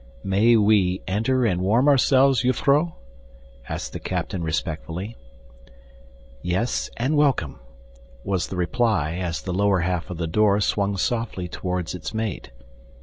"May we enter and warm ourselves, jufvrouw?" asked the captain respectfully. "Yes, and welcome" was the reply as the lower half of the door swung softly toward its mate.